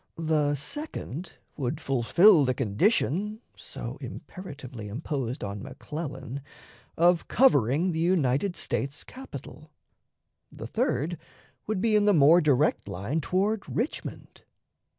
The second would fulfill the condition, so imperatively imposed on McClellan, of covering the United States capital; the third would be in the more direct line toward Richmond.